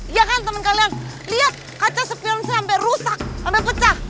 iya kan temen kalian liat kaca spion sampe rusak sampe pecah